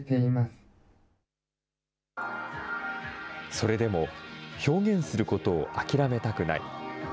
それでも、表現することを諦めたくない。